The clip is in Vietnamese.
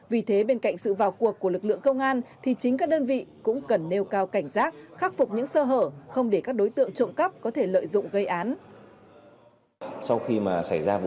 vì thế bên cạnh sự vào cuộc của lực lượng công an thì chính các đơn vị cũng cần nêu cao cảnh giác khắc phục những sơ hở không để các đối tượng trộm cắp có thể lợi dụng gây án